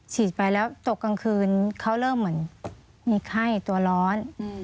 ฉีดไปแล้วตกกลางคืนเขาเริ่มเหมือนมีไข้ตัวร้อน